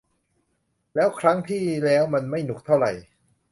แล้วครั้งที่แล้วมันก็ไม่หนุกเท่าไหร่